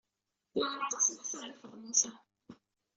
Yeɛreq-as leḥsab i Feḍmuca.